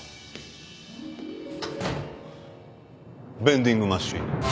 ベンディングマシン